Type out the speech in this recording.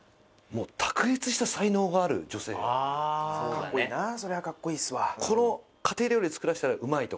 カッコいいなそりゃカッコいいっすわ。